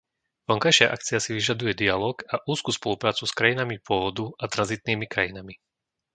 Vonkajšia akcia si vyžaduje dialóg a úzku spoluprácu s krajinami pôvodu a tranzitnými krajinami.